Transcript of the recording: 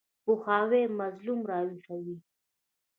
پوهاوی مظلوم راویښوي.